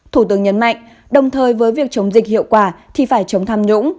thủ tướng nhấn mạnh đồng thời với việc chống dịch hiệu quả thì phải chống tham nhũng